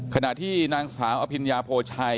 ขณะที่นางสาวอภิญญาโพชัย